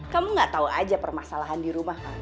kamu gak tahu aja permasalahan di rumah